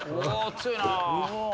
強いな。